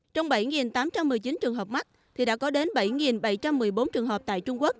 trong bảy tám trăm một mươi chín trường hợp mắc thì đã có đến bảy bảy trăm một mươi bốn trường hợp tại trung quốc